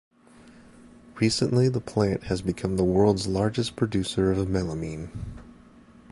Recently the plant has become the world's largest producer of melamine.